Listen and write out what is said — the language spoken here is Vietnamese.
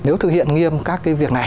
nếu thực hiện nghiêm các cái việc này